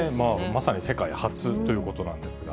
まさに世界初ということなんですが。